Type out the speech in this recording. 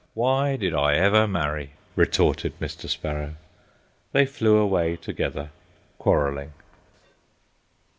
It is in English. "Why did I every marry?" retorted Mr. Sparrow. They flew away together, quarrelling.